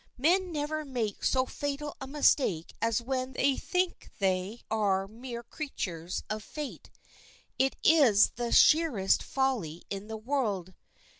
Men never make so fatal a mistake as when they think they are mere creatures of fate; it is the sheerest folly in the world.